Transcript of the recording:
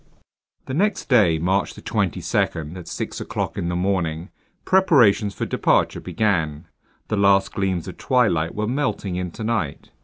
THE NEXT DAY, March 22, at six o'clock in the morning, preparations for departure began. The last gleams of twilight were melting into night.